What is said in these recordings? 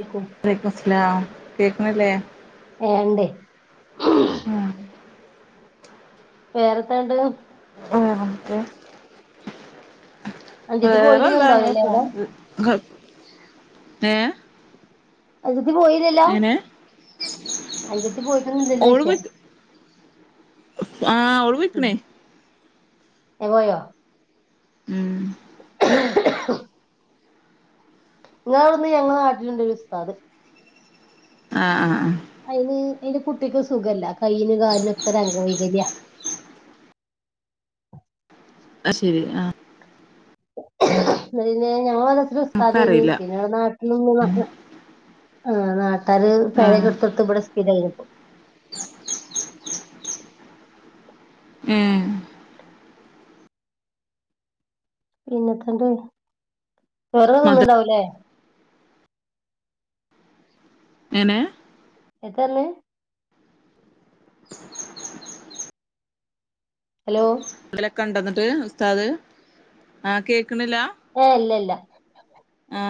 ഇരിക്കും. ബ്രേക്ക്ഫാസ്റ്റിന് ആഹ് കേ ആണല്ലേ വേണ്ടേ ഉം വേറെത്താണ്ട് ഒരു മിനിറ്റേ അഞ്ചത്തി വേറെ എന്താ അങ്ങനെ പോയിരുന്നുണ്ടാവില്ലല്ലേ അവിടെ പോണ് കൊഴപ്പ ഏ അത് പോയില്ലല്ലോ എങ്ങനെ അൻജത്തി പോയിട്ടൊന്നുല്ലല്ലോ ഓള് ചോയിക്കാ ആഹ് ഓള് പോയിക്ക്ണ് എ പോയോ ഉം ഇങ്ങളവടന്ന് ഞങ്ങളെ നാട്ടിലുണ്ടൊരു ഉസ്താദ് ആഹ് ആ ആ അയിന് അയിന്റെ കുട്യേക്ക് ഒന്നും സുഖല്ല കയ്യിനും കാലിനൊക്കെ ഒരംഗ വൈകല്യാ അത് ശരി ആഹ് [unintelligible] ഞങ്ങളെ ക്ലാസ്സിലെ ഉസ്താദേനി നമ്മക്കറിയില്ല പിന്നെ അത് നാട്ട്ന്ന് [unintelligible] ആഹ് നാട്ട് അവര് ആ പെരെക്കെ എടുത്ത് കൊടുത്ത് ഇവിടെ സ് ഇതായപ്പം ഏ പിന്നെത്തണ്ട് ചോറ് മദ തിന്ന്ണ്ടാവൂലേ എങ്ങനെ എതേന്ന് ഹലോ അതിലൊക്കെണ്ടന്നിട്ട് ഉസ്താദ് ആ കേക് ആഹ് ഇല്ല ഇല്ല ആ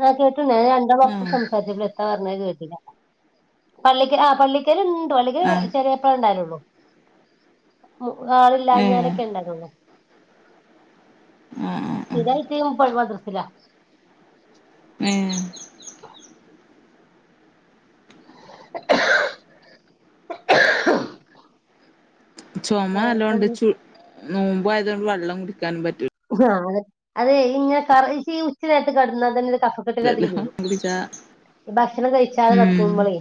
ഞാൻ കേട്ടുണ്ട് ഞാൻ രണ്ടാളും ആ ഒപ്പം സംസാരിച്ചപ്പോൾ എന്താ പറഞ്ഞേന്ന് കേട്ട് പള്ളിക്കൻ ആ പള്ളിക്കൽ ഇ പള്ളിക്കല് ആ വ ചെലേപ്പളെ ഇണ്ടായിനുള്ളൂ ആ ഏ ആളില്ലാഞ്ഞാലെക്കെ ഉണ്ടാക്കുള്ളൂ ആഹ് സ്ഥിരമായിട്ട് ഓന് പഴേ മദ്രസ്സ്ലാ ഏ ചൊമ നല്ലോണ്ട് വേറെത്തന്നെ ചു നോമ്പായതൊണ്ട് വള്ളം കുടി ടിക്കാൻ പറ്റൂ ആ അതെ അതെ ഇങ്ങനെ കർ ഇൻകി ഉച്ച നേരത്ത് കടന്നതന്നെ [unintelligible] കഫക്കെട്ടിൻ്റാതിരി പറ്റൂലല്ലോ വെരും കുടിച്ചാ ഭക്ഷണം കഴിച്ചാതെ ഉം കടക്കുമ്പളേ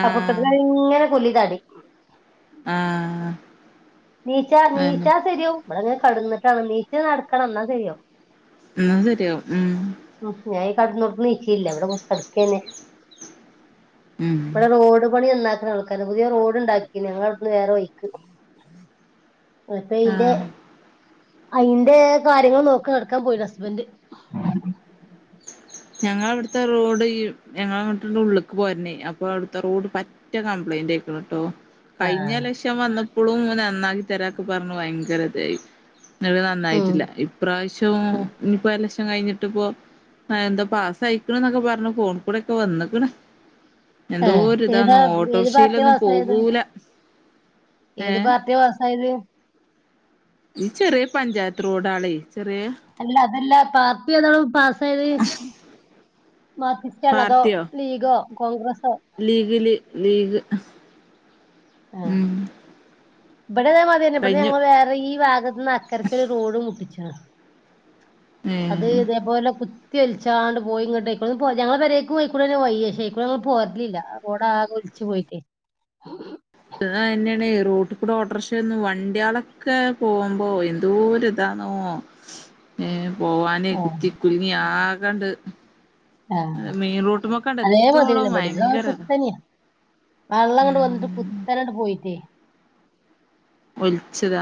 ആഹ് കഫക്കെട്ടിൻ്റാതിരിങ്ങനെ കൊല്ലത [unintelligible] ആ നീച്ചാ നീച്ചാ സെര്യാവും ബടങ്ങനെ കടന്ന്ട്ടാണ് നീച്ച് നടക്കണം ന്നാ സെര്യാവും എന്ന സെര്യാവും ഉം ഉം ഞാ ഈ കടന്നോട് നീച്ചില്ല ഇവടെ കുത്തർക്കെന്നെ ഉം ഇവടെ റോഡ് പണി നന്നാ ആൾക്കാര പുതിയ റോഡ് ണ്ടാക്കീണ് ഞങ്ങളട്ന്ന് വേറെ വയിക്ക് അപ്പയ്ന്റെ ആഹ് അയിന്റെ കാര്യങ്ങൾ നോക്കി നടക്കാൻ പോയിണ് ഹസ്ബൻറ്റ് ഞങ്ങളിവ്ട്ത്തെ റോഡ് ഈ ഞങ്ങളങ്ങട്ട് ൻ്റുള്ള്ക്ക് പോര്ന്നെ അപ്പൊ അവ്ട്ത്തെ റോഡ് പറ്റ കംപ്ലൈൻ്റായിക്ക്ണ് ട്ടോ ആ കഴിഞ്ഞ എലക്ഷന് വന്ന പ്പളുംങ്ങ നന്നാക്കി തരാന്ന് പർഞ്ഞ് ഭയങ്കര തെയ്നി ങ്ങട്ട് ഉം നന്നായിട്ടില്ല ഇപ്രാവശ്യും ഉം ഞ്‌പ്പെലെക്ഷ കഴിഞ്ഞിട്ട് പോ ആ എന്താപാസ്സായിരിക്ക്ണ് ന്നൊക്കെ പർഞ്ഞ് ഫോണ് കൂടെക്കെ വന്ന് ക്ക്ണ് ഏഹ് ഏതാ എന്തോരിതാന്നോ ഓട്ടോർ ഏത് ഷേലൊന്നും പോകൂല ഏഹ് ഏത്പാർട്ട്യാ പാസ്സായത് ഈ ചെറിയപഞ്ചായത്ത് റോഡാളെ ചെറ്യേ അല്ല പാർട്ടി ഏതാണ് പാസ്സായത് മാർകിസ്റ്റാണതോ പാർട്ടിയോ ലീഗോ കോൺഗ്രസോ ലീഗില് ലീഗ് ഉം ബടെ അതേമാതിര്യെന്നെ ബടെ കഴിഞ്ഞു ഞങ്ങള് വേറെ ഈ വാഗ ത്ത്ന്ന് അക്കരക്ക് റോഡ് മുട്ടിച്ച് അ ഏ അത് ഇതേപോലെ കുത്ത് ത്ത്യൊൽച്ചാണ്ട് പോയി ങ്ങട്ട് പ്പളും പൊ ഞങ്ങളെ പെരെക്കും അയ്ക്കൂടെന്നെ വയ്യ് ക്ഷെ അയ്ക്കൂടെ ങ്ങള് പോര്ലില്ല റോഡാകെ ഒൽച്ച് പോയിട്ടേ ഇതന്നെണേ റോട്ട്കൂടെ ഓട്ടോർഷെന്നും വണ്ടേ ളൊക്കെ പോകുമ്പോ എന്തോരി തന്നോ ഏ പോവാനേ ആഹ് കുത്തി കുലുങ്ങി ആകെ കണ്ട് ആ.. അതേ മാതിരിന്നെയാ എത്തോളം ഇവിടെയും ഭയങ്കര ഇതാ ഇവിടെ [inaudible] വെള്ളമങ്ങോട്ട് വന്നിട്ട് ഉം കുത്തനെ അങ്ങോട്ട് പോയിട്ടേ ഒലിച്ചതാ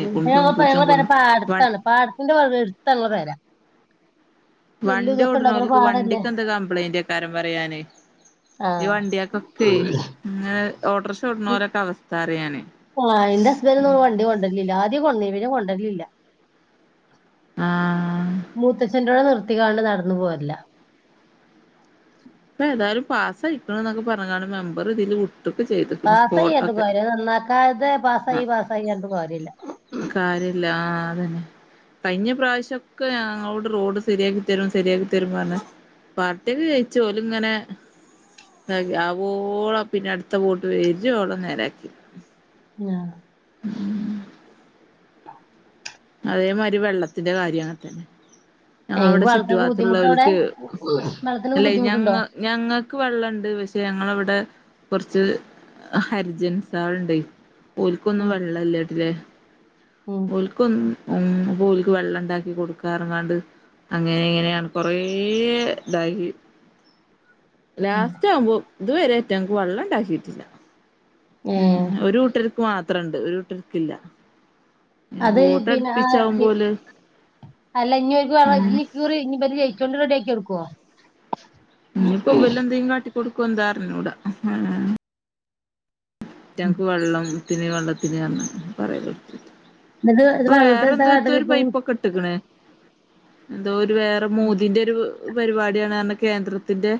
മുന്നേ ഉള്ള ഞങ്ങടെ പെര വ പാടത്താണ് പാടത്തിന്റെ അടുത്താണ് ഞങ്ങടെ പെര നെല്ല് ഇതൊക്കെ ഉണ്ടാക്കണ വണ്ടിഓടുണോലക്ക് പാടല്ലേ വണ്ടിക്ക് എന്താ കംപ്ലൈയിന്റ് കാര്യം പറയാനേ ഈ വണ്ടികൾ കൊക്കയേ ഏ.. ആ.. എന്റെ ഹസ്ബന്റോന്ന് വണ്ടി കൊണ്ടുവരലില്ല ആദ്യം കൊണ്ടന്നേ പിന്നെ കൊണ്ടരലില്ല ആഹ് മുത്തച്ഛന്റെ കൂടെ നിർ കാണ്ട് നടന്നു പോരില്ല ഇപ്പമേതായാലും പാസ്സായി. ഇപ്പള്എന്നൊക്കെ പറഞ്ഞാല് മെമ്പർ തിരിഞ്ഞു [unintelligible] പാസ്സായിയതുപോലെ നന്നാക്കാതെ പാസ്സായി ആഹ് പാസ്സായി എന്ത്കാര്യം ഇല്ല കാര്യല്ല ആഹ് അതന്നെ കഴിഞ്ഞ പ്രാവശ്യമൊക്കെ ഞങ്ങളോട് റോഡ് ശരിയാക്കി തരും, ശരിയാക്കി തരും പറഞ്ഞേ പാർട്ടിജയിച്ചുഓരിങ്ങനെ ആവോളം പിന്നെ അടുത്തവോട്ട് വരുവോളം നേരാക്കി ആ.. അതേമാതിരി വെള്ളത്തിന്റെ കാര്യവുമങ്ങനെ തന്നെ എങ്ങക്ക് ഞങ്ങളവിടെ വെള്ളത്തിനൊക്കെ ബുദ്ധിമുട്ടാ അവിടെ ചുറ്റുഭാഗത്തുള്ളവർക്ക് വെള്ളത്തിനൊക്കെ അല്ലേ, ഞങ്ങ ബുദ്ധിമുട്ടുണ്ടോ ഞങ്ങൾക്ക് വെള്ളമുണ്ട്. പക്ഷേഞങ്ങളവിടെ വടെ കുറച്ച് ഹരിജൻസാൾണ്ട് ഓൽക്കൊന്നും ഉം വെള്ളല്ലല്ലേ ഉം ഒൽക്കൊന്ന് ഉ ഓൽക്ക് വെള്ളംണ്ടാക്കി കൊടുക്കാറഞാണ്ട് അങ്ങനെ ഇങ്ങനെയാണ് കൊറ ഇതായി ലാസ്റ്റ് ആവുമ്പോ ഇതുവരെ അയ്റ്റങ്ക്ക് വെള്ളം ഇണ്ടാക്കിയിട്ടില്ല ഉം ഏഹ് ഒരു കൂട്ടര് മാത്രണ്ട് ഒരുട്ടര്ക്കില്ല അത് പിന്നെ അഅല്ല ഇഞ്ഞ് ഓൽക്ക് വെള്ളം ഉം ഇഞ്ഞിക്കുറി ഇഞ്ഞ്ബല്ജയിച്ചോണ്ട് റെഡിയാ ക്കിയൊടുക്കൊ ഇഞ്ഞ്പ്പൊ ഇബല്ലെന്ത്യ കാട്ടി കൊടു ക്കും ന്താറ്ഞ്ഞൂട ഏ റ്റങ്ങക്ക് വെള്ളം ത്തിന് വെള്ളത്തിന്റഞ്ഞ് പറല് [unintelligible] എന്നട്ട് ഇത് വള്ളത്തിലിട്ടാ കട്ടിലി പോവും ഇട്ട്ക്ക്ണ് എന്തോ ര് വേറെ മോദിന്റെരു പരിപാടിയാണ് ന്ന് പറഞ്ഞ് കേന്ദ്രത്തിന്റെ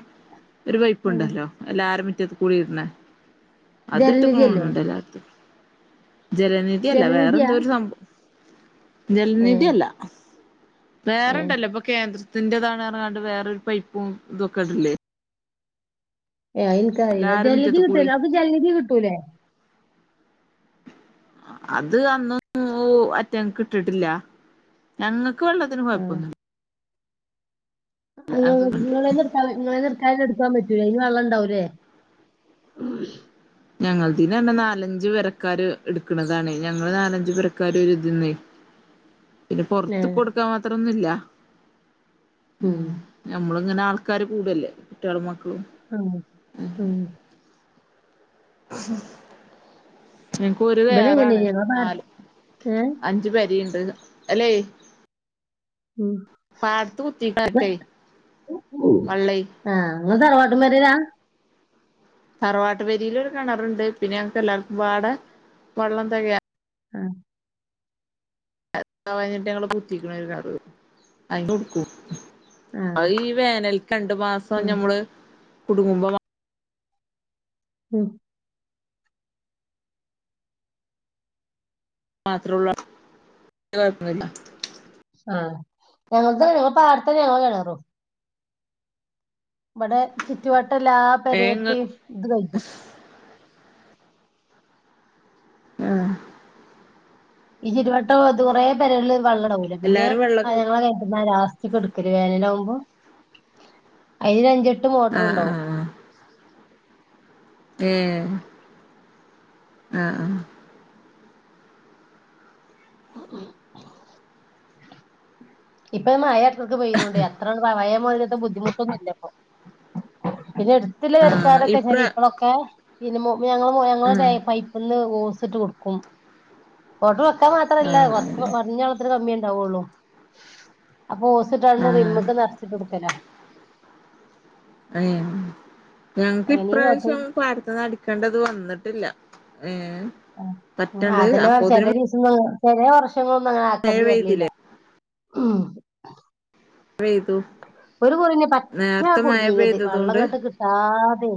ഒരു ഏഹ് പൈപ്പുണ്ടല്ലോ എല്ലാര മി റ്റത്ത് കൂടി ഇട്ണേ അതിട്ട് ക്ണോ ജലനിധി അല്ലേ ന്ന്ണ്ട്ല്ലാർത്തും ജലനിധി അല്ല ജലനിധിയാ വേറെന്തോ ഒരു സംബോം ജലനിധി ഏഹ് അല്ല ഏഹ് വേറെണ്ടല്ലോ ഇപ്പൊ കേന്ദ്ര ത്തിന്റെതാണ് ന്ന് ഞ്ഞാണ്ട് വേറൊരു പൈപ്പും ഇതുക്കെ ഇട്ല്ലേ ഏഹ് ഏൻക്കറീയില്ല ജലിനിധി മുറ്റത്ത് കൂടി കിട്ടേല്ലേ അവിടെ ജലനിധി കിട്ടൂലേ അത് അന്നെന്നും അറ്റങ്ങക്ക് ഇട്ടിട്ടില്ല ഞങ്ങ ക്ക്‌ വെള്ളത്തിന് കൊഴപ്പൊന്നുല്ല ആ നി നിങ്ങളന്ന് ഇട്ത്താ എടുക്കാതെ എടുക്കാൻ പ റ്റൂലേ അയില് വെള്ളം ഇണ്ടാവൂലേ ഞങ്ങതീന്ന് തന്നെ നാലഞ്ച് പെരക്കാര് എടുക്കണതാണ് ഞങ്ങള് നാലഞ്ചു പെരക്കാര് ഒര്തീന്നെ പിന്നെ ഏ പൊറത്ത്കൊടുക്കാൻ മാത്രം ഒന്നുല്ല ഉം അങ്ങനെ ആൾക്കാര് കൂടല്ലെ കുട്ടികള് ക്കും ആ മ്മ്ഹ് ഉം ഞാക്കോരു ഇവിടെ എങ്ങനെ വേറാണ് ഞങ്ങളെ നാല് ഭ- ഏ അഞ്ചു പരിയുണ്ട് അല്ലേ ഉം കുത്തിക്കാട്ടെ വള്ളേ ആഹ് നിങ്ങ തറവാട്ടു മേരേര തറവാട്ടുപേരിൽ ഒരു കെണറുണ്ട് പിന്നെ ഞക്ക് എല്ലാവർക്കും വാടെ വള്ളം തെകയാ ആഹ് വഴഞ്ഞിട്ട് ഞങ്ങള് കുത്തിക്കണ് ഒരു കെണറ് അയിന് കൊടുക്കൂ ആ യി വേനൽക്കണ്ട് മാസം ഉം ഞമ്മള് കുടുക്കുംബ ഉം മാത്രവുള്ള വേറെ കൊഴപ്പോന്നില്ല ആഹ് ഞങ്ങ ഞങ്ങടെ പാടത്തന്നെ ഞങ്ങടെ കെണറും ഇവിടെ ചുറ്റുവ ട്ടല്ലാ ഏ ഇങ്ങ പെരെതിം [unintelligible] ആ ഈ ചുറ്റുവട്ടം കുറേ പെരെൽവള്ള ഉണ്ടാവൂല പിന്നെ എല്ലാരും അ വെള്ളൊക്കെ ഞങ്ങള്െ വണ്ട ലാസ്ക് എടുക്കരു വേനല ആകുമ്പോ [unintelligible] [inaudible] അയിതിനഞ്ചെട്ട് എട്ട് മോട്ടർ ആഹ് ഉണ്ടാവും ആഹ് ഏ ആഹ ആഹ ഉ ഇപ്പൊയാ മഴ ക്ക് പെണ്ട് എത്രയ ബുദ്ധിമുട്ടൊന്നും ഇല്ലപ്പൊ പിന്നെ എടുത്തത ആഹ് ചർക്കാരൊക്കെ ഇപ്ര ശരി ഇപ്പഴൊക്കെ ഇമോ [unintelligible] ഞ ഞങ്ങളുടെ ആഹ് പൈപ്പന്ന് കൊടുക്കുംട്ട [inaudible] അ മാത്രല്ല കുറച്ച് ആഹ് പറഞ്ഞാ കമ്മിയണ്ട് ണ്ടവോളോ അപ്പൊ ഓസിട്ടാണ് ആഹ് റിമ്മക്ക് നറച്ചിട്ട കൊടുക്കലോ ഏ ഞങ്ങക്ക് അങ്ങനെയും കാട്ടും ഇപ്രാവശ്യം പാരത്ത് നടിക്കേണ്ടത് വന്നിട്ടില്ല ഏഹ് ആ പറ്റണ്ട് അതന്നെ പററച്ച് അപ്പോത്തിന് ചല്ല ദിവസം [unintelligible] ശെം [inaudible] മഴ ആക്കേണ്ടി വരലില്ല പെയ്തില്ലേ ആഹ പെയ്തു ഒരു കുറന്നെ പച്ച നേരത്തെ മഴ കുടുങ്ങീത് പെയ്തതോണ്ട് വെള്ളംകെട്ട് കിട്ടാതെ.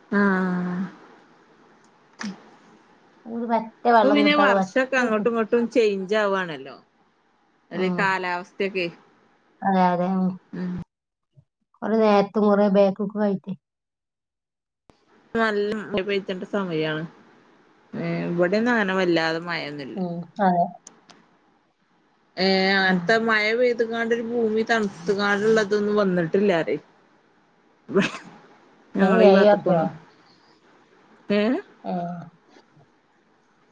ആഹ. [inaudible] അപ്പം പിന്നെ കിട്ടാതെ പറ്റ വർഷൊക്കെ അങ്ങോട്ടും ഇങ്ങോട്ടും ചെയ്യ ജാവവാണല്ലോ അത ഉം കാലാവസ്ഥൊക്കെ ഉ കുറ നേരത്തും കൊറേ ബേക്കൊക്കെ കയിട്ടേ നല്ല മ പെയറ്റേണ്ട സമയാണ് ഇവിടെന്ന അങ്ങനെ വല്ലാതെ മഴൊന്നുല്ല ഉം അതെ. ഏ അത്ത മഴ പെയ് ത് കണ്ടരു ഭൂമി തണുത്തുകാണ്ടള്ളതൊന്നും വന്നിട്ടില്ലാരേ. എ ഏയ് [unintelligible] ങേയ് ആഹ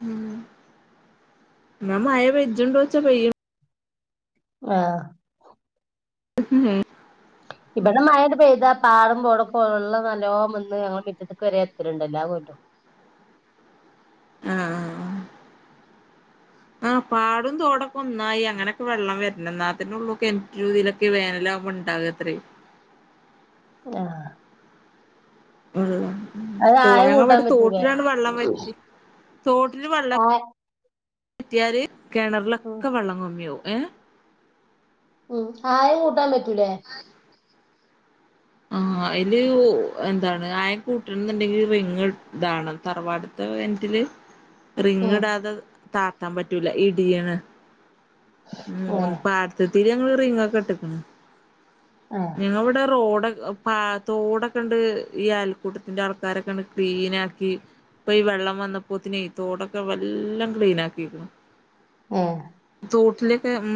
ഉം എന്ന മഴ വജജണ്ടോച്ചാ പെയ്യ ആഹ ഹ്ഉ ഇവിടെ മഴക്കെ പെയ്താ പാടും പോടും പോലുള്ള നല്ലോം വന്ന് ഞങ്ങ മറ്റത്തക്ക് വരെ എത്തിലുണ്ടല്ലാ കൊല്ലോ. ആഹ് ആഹ പാടും തോടൊക്കെ ഒന്നായി, അങ്ങനെയൊക്കെ വെള്ളം വരണ എന്നാത്തിന്റെ ഉള്ള ഒക്കെ എ [unintelligible] രീതിലൊക്കെ വേനലകുമ്പോ ഇണ്ടാകത്രേ. ആഹ കൊള്ളാ തോടങ്ങ കൂട്ടാൻ വട്ട് പറ്റൂലേ തോട്ടിലാണ് വെള്ളം പറ്റി, തോട്ടില് വെള്ളം. ആ കുത്തിയാര് ഉം കിണറിലൊക്കെ വെള്ളം കൊമ്മിയവും. ഏഹ ഉം ആായും കൂട്ടാൻ പ അ ആഹ അതില് എന്താണ് ആയ കൂട്ടന എന്നുണ്ടെങ്കിൽ വെങ് ഇതാണ് തറവാടത്തെ വൻ്റില് റിങ്ങി ഉം ഇടാതെ ത എത്താൻ പറ്റൂല ഇടിയാണ്. ഉം ഏഹ് ഒന്ന് പാ അടുത്ത്. പിരി ഞങ്ങൾ റെയിപാസ് എടുത്തിട്ടുണ്ട്. ഏഹ് നിങ്ങ ഇവിടെ റോഡൊ പ തോടൊക്കെ ഒണ്ട് ഈ അയൽക്കൂട്ടത്തിന്റെ ആൾക്കാരെ കെണ്ട് ക്ലീൻ ആക്കി ഇപ്പൊ ഈ വെള്ളം വന്നപ്പോത്തിനെ തോടൊക്കെ വല്ലാം ക്ലീൻ ആക്കിരിക്കി. ഉം തോട്ടിലൊക്കെ ഉം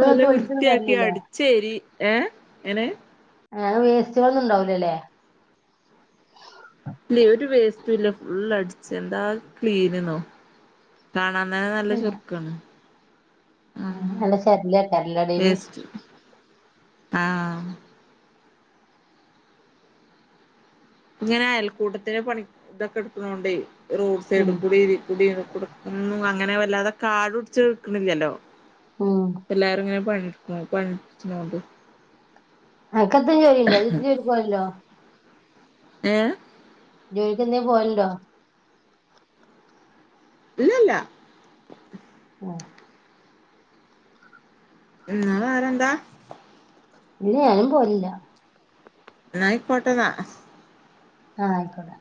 തല ഒലിച്ചൊന്നും വൃത്തിയാക്കി, വരലില്ലേ അടിച്ചേരി. ഏഹ എങ്ങനെ? ആ വേസ്റ്റുകളൊ ഇണ്ടാവലല്ലേ? ഇല്ല ഒരു വേസ്റ്റ ഇല്ല ഫുള്ളടിച്ച് എന്താ ക്ലീൻന്നോ കാണാന്നെ നല്ല ചുറുക്കാണ്. ആ അല്ല ശരില്ല കരില്ലടീല് ആ ഇങ്ങനെ അയൽക്കൂട്ടത്തിന് പണി, ഇതൊക്കെ കിട്ടണുണ്ടെ റോഡ് ഉം സൈഡ് കൂടി ഇ കൂടി ഇതൊക്കെ കൊടുക്കുന്നു, അങ്ങനെ വല്ലാതെ കാടുപിടിച്ചു വക്കണില്ലല്ലോ ഉം എല്ലാരും ഇങ്ങനെ പണ് ആ പനോണ്ട് [unintelligible] ആ കത്തഞ് ചോരി ഉണ്ടോ ചുത്ത ജോ പോയല്ലോ ഏ ക്ക്ന്നേ പോവുണ്ടോ ഇല്ലല്ല ആ ഉം വേറെ എന്താ ഇന്ന ഞാനും പോലില്ല നായി പോട്ടതാ ആഹ ആയിക്കോടാ